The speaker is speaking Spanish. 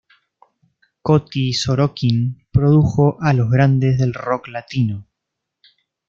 Coti Sorokin produjo a los grandes del rock latino.